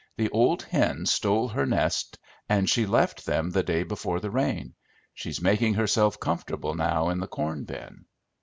"The old hen stole her nest and she left them the day before the rain. She's making herself comfortable now in the corn bin."